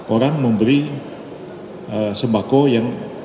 orang memberi sembako yang